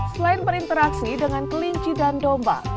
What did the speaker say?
selain berinteraksi dengan kelinci dan domba